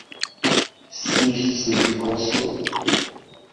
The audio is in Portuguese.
Se isto servir de consolo